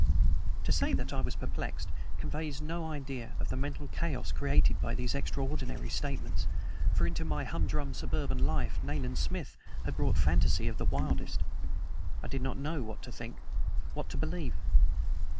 To say that I was perplexed conveys no idea of the mental chaos created by these extraordinary statements, for into my humdrum suburban life Nayland Smith had brought fantasy of the wildest. I did not know what to think, what to believe.